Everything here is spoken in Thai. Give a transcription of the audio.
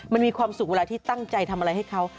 มันมีความสุขเวลาที่ตั้งใจทำอะไรให้เขา